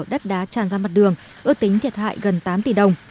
đất đá tràn ra mặt đường ước tính thiệt hại gần tám tỷ đồng